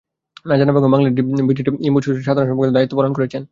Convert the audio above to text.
Nazma Begum Bangladesh visit import সোসাইটির সাধারণ সম্পাদক পদে দায়িত্ব পালন করছেন।